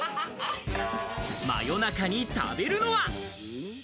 夜中に食べるのは？